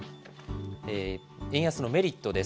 円安のメリットです。